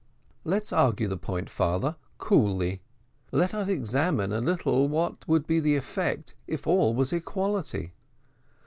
"Let us argue the point, father, coolly. Let us examine a little what would be the effect if all was equality.